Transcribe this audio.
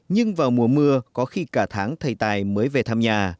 nhưng vào mùa mưa có khi cả tháng thầy tài mới về thăm nhà